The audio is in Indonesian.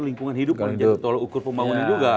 lingkungan hidup menjaga betul ukur pembangunan juga